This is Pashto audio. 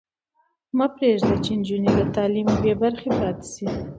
مه پرېږدئ چې نجونې له تعلیمه بې برخې پاتې شي.